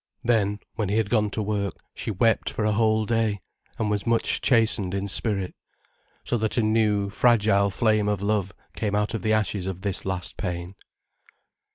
Then, when he had gone to work, she wept for a whole day, and was much chastened in spirit. So that a new, fragile flame of love came out of the ashes of this last pain.